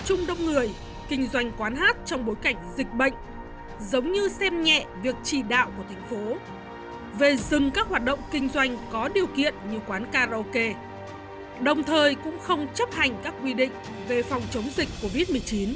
những người kinh doanh quán hát trong bối cảnh dịch bệnh giống như xem nhẹ việc trì đạo của thành phố về dừng các hoạt động kinh doanh có điều kiện như quán karaoke đồng thời cũng không chấp hành các quy định về phòng chống dịch covid một mươi chín